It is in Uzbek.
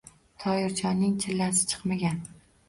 Toyirjonning chillasi chiqmagan.